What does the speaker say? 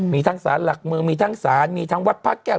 มีทั้งศาลหลักเมืองมีทั้งศาลมีทั้งวัดพระแก้ว